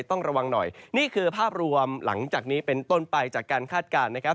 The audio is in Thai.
ต้องระวังหน่อยนี่คือภาพรวมหลังจากนี้เป็นต้นไปจากการคาดการณ์นะครับ